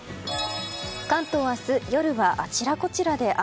関東明日夜はあちらこちらで雨。